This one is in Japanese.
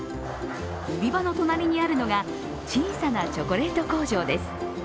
売り場の隣にあるのが小さなチョコレート工場です。